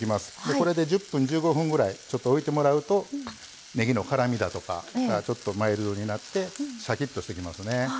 これで１０分１５分ぐらいちょっと置いてもらうとねぎの辛みだとかがちょっとマイルドになってシャキッとしてきますね。